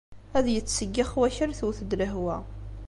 Ad yettseggix wakal tewwet-d lehwa.